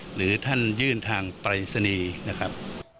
หรือท่านยื่นทางปรายศนีย์นะครับ